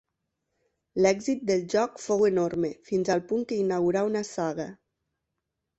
L'èxit del joc fou enorme, fins al punt que inaugurà una saga.